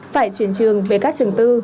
phải chuyển trường về các trường tư